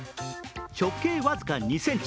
直径僅か２ｃｍ。